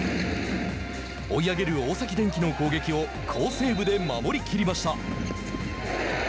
追い上げる大崎電気の攻撃を好セーブで守りきりました。